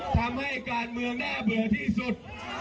ทำให้การเมืองน่าเบื่อที่สุด